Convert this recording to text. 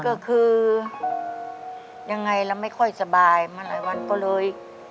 ก็คือยังไงเราไม่ค่อยสบายมาหลายวันก็เลย